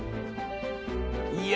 いや！